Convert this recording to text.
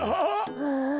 ああ。